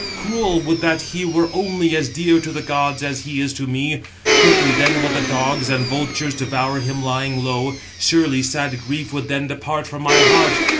Cruel! would that he were [only] as dear to the gods as he is to me; quickly then would the dogs and vultures devour him lying low; surely sad grief would then depart from my heart.